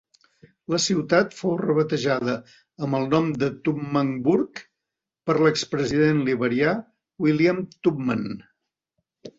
La ciutat fou rebatejada amb el nom de Tubmanburg per l'expresident liberià William Tubman.